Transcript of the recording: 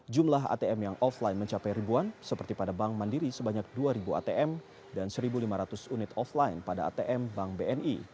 jumlah atm yang offline mencapai ribuan seperti pada bank mandiri sebanyak dua ribu atm dan satu lima ratus unit offline pada atm bank bni